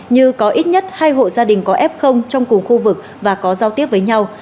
như có ít nhất hai hộ gia đình có f trong cùng khu vực và có giao tiếp với nhau